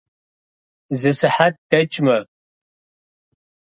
Зы сыхьэт дэкӏмэ.